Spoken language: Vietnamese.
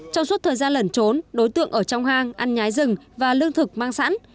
trong suốt thời gian lẩn trốn đối tượng ở trong hang ăn nhái rừng và lương thực mang sẵn